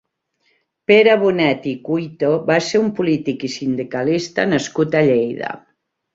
Pere Bonet i Cuito va ser un polític i sindicalista nascut a Lleida.